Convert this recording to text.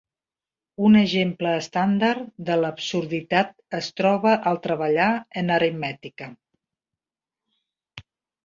Un exemple estàndard de l'absurditat es troba al treballar en aritmètica.